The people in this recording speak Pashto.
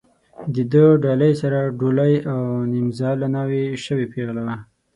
د ده ډالۍ سره ډولۍ او نیمزاله ناوې شوې پېغله وه.